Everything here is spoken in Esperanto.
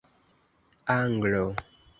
anglo